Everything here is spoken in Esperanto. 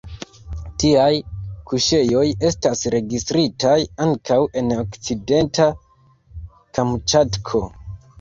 Tiaj kuŝejoj estas registritaj ankaŭ en Okcidenta Kamĉatko.